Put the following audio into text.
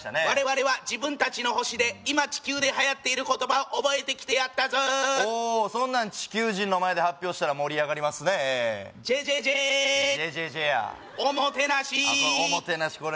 我々は自分達の星で今地球ではやっている言葉を覚えてきてやったぞおおそんなん地球人の前で発表したら盛り上がりますねええじぇじぇじぇじぇじぇじぇやおもてなしおもてなし